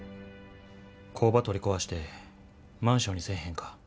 工場取り壊してマンションにせえへんか？